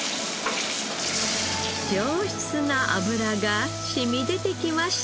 上質な脂が染み出てきました。